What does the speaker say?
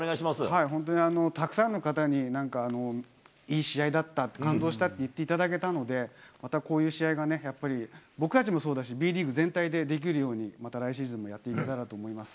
本当にたくさんの方に、なんかいい試合だった、感動したって言っていただけたので、またこういう試合がね、やっぱり僕たちもそうだし、Ｂリーグ全体でできるように、また来シーズンもやっていけたらと思います。